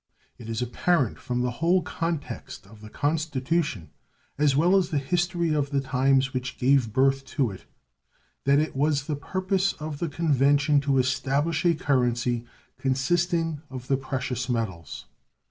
It is apparent from the whole context of the Constitution, as well as the history of the times which gave birth to it, that it was the purpose of the Convention to establish a currency consisting of the precious metals.